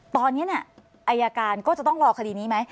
ตอนนี้อายการก็จะต้องรอคดีนี้ไหม